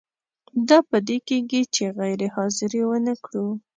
دا په دې کیږي چې غیر حاضري ونه کړو.